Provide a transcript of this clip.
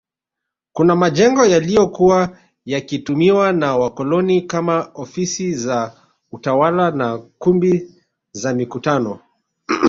Kuna majengo yaliyokuwa yakitumiwa na wakoloni kama ofisi za utawala na kumbi za mikutano